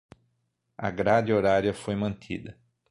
A grade horária foi mantida